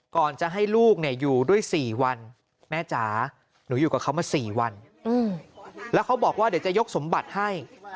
ก่อนจะให้ลูกอยู่ด้วย๔วันแม่จ๋าหนูอยู่กับเขามา๔วันแล้วเขาบอกว่าเดี๋ยวจะยกสมบัติให้